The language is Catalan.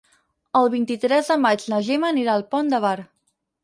El vint-i-tres de maig na Gemma anirà al Pont de Bar.